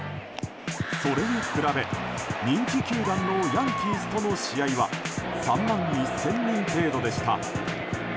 それに比べ人気球団のヤンキースとの試合は３万１０００人程度でした。